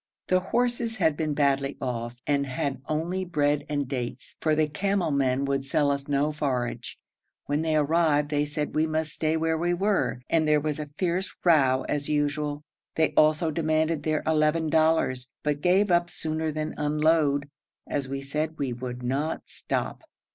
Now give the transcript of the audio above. The horses had been badly off and had only bread and dates, for the camel men would sell us no forage. When they arrived they said we must stay where we were, and there was a fierce row as usual. They also demanded their eleven dollars, but gave up sooner than unload, as we said we would not stop.